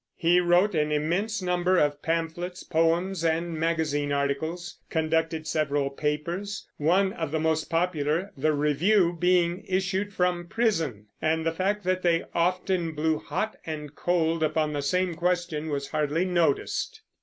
He wrote an immense number of pamphlets, poems, and magazine articles; conducted several papers, one of the most popular, the Review, being issued from prison, and the fact that they often blew hot and cold upon the same question was hardly noticed.